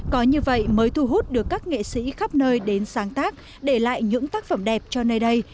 có như vậy mới thu hút được các nghệ sĩ khắp nơi đến sáng tác để lại những tác phẩm đẹp cho nơi đây